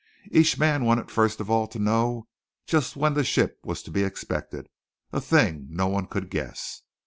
Each man wanted first of all to know just when the ship was to be expected; a thing no one could guess.